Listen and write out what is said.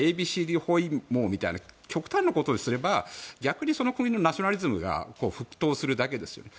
包囲網というような極端なことをすれば逆に国のナショナリズムが沸騰するだけですよね。